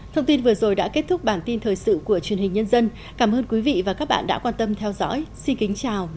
thông tin vừa rồi đã kết thúc bản tin thời sự của truyền hình nhân dân cảm ơn quý vị và các bạn đã quan tâm theo dõi xin kính chào và hẹn gặp lại